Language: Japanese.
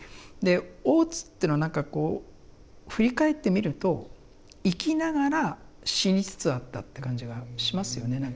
で大津っていうのは何かこう振り返ってみると生きながら死につつあったって感じがしますよね